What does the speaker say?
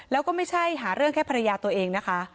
แล้วก็ไม่ใช่หาเรื่องแค่ภรรยาตัวเองนะคะ